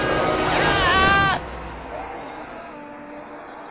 ああ！